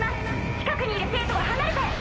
近くにいる生徒は離れて！